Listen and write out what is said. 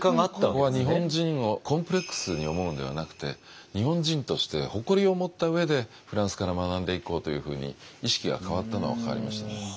ここは日本人をコンプレックスに思うんではなくて日本人として誇りを持った上でフランスから学んでいこうというふうに意識が変わったのは変わりましたね。